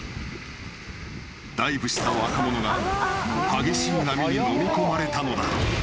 ［ダイブした若者が激しい波にのみ込まれたのだ］